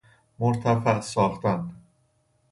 مرتفع ساختن